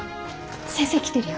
先生来てるよ。